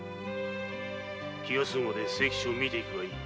気が済むまで清吉を見ていくがいい。